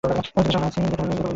আমি পরিস্থিতি সামলাচ্ছি, যাও।